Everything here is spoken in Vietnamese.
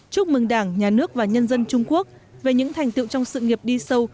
chúc mừng đảng nhà nước và nhân dân trung quốc về những thành tựu trong sự nghiệp đi sâu